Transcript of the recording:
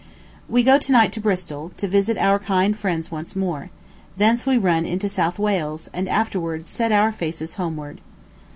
We go to night to Bristol, to visit our kind friends once more; thence we run into South Wales, and afterwards set our faces homeward.